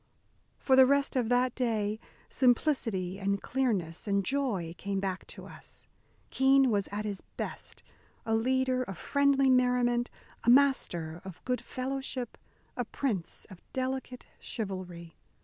For the rest of that day simplicity and clearness and joy came back to us. Keene was at his best, a leader of friendly merriment, a master of good fellowship, a prince of delicate chivalry.